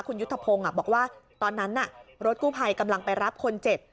คุณยุทธพงศ์บอกว่าตอนนั้นรถกู้ภัยกำลังไปรับคนเจ็บ